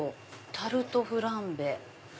タルトフランベ。